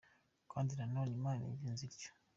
Kandi na none Imana igenza ityo.